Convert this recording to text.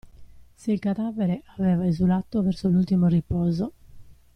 Se il cadavere aveva esulato verso l'ultimo riposo.